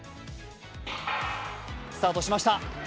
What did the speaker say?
スタートしました。